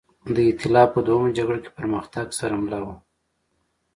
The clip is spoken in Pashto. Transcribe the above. د اېتلاف په دویمه جګړه کې پرمختګ سره مله وه.